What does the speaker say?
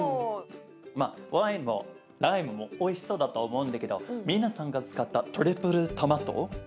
まあワインもライムもおいしそうだと思うんだけどミーナさんが使ったトリプルトマトおいしそう。